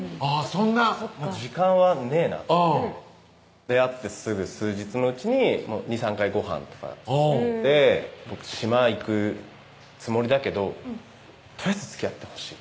そんな時間はねぇな出会ってすぐ数日のうちに２３回ごはんとか誘って「僕島行くつもりだけどとりあえずつきあってほしい」